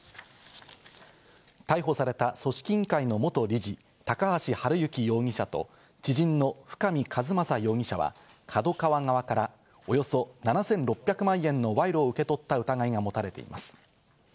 逮捕された組織委員会の元事理・高橋治之容疑者と、知人の深見和政容疑者はＫＡＤＯＫＡＷＡ側からおよそ７６００万円の賄賂を受け取った疑いが持たれています。